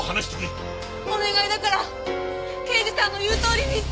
お願いだから刑事さんの言うとおりにして。